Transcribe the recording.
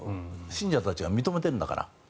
信者たちが認めているんだから。